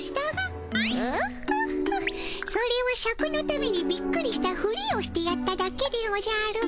オホッホそれはシャクのためにびっくりしたフリをしてやっただけでおじゃる。